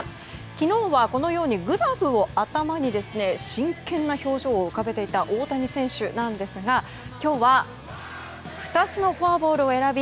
昨日はこのようにグラブを頭に真剣な表情を浮かべていた大谷選手なんですが今日は２つのフォアボールを選び